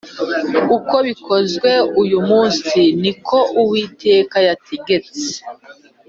Uko bikozwe uyu munsi ni ko Uwiteka yategetse